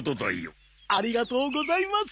ありがとうございます！